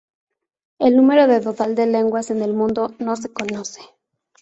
El número total de lenguas en el mundo no se conoce.